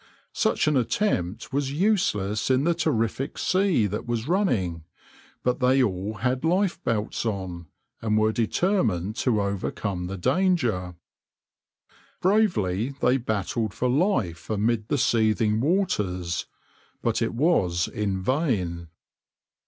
Such an attempt was useless in the terrific sea that was running, but they all had lifebelts on, and were determined to overcome the danger. Bravely they battled for life amid the seething waters, but it was in vain.